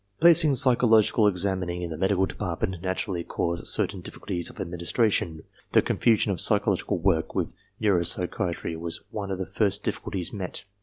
Placing psychological examining in the Medical Department naturally caused certain difficulties of aidministration. The confusion of psychological work with neuropsychiatry was one xii INTRODUCTION of the first difficulties met.